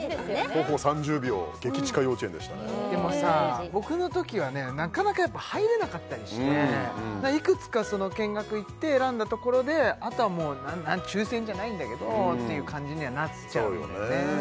徒歩３０秒激近幼稚園でしたねでもさ僕のときはねなかなか入れなかったりしていくつか見学行って選んだところであとはもう抽選じゃないんだけどっていう感じにはなっちゃうよね